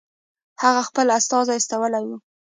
هغه خپل استازی استولی وو.